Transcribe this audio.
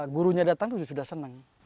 gurunya datang itu sudah senang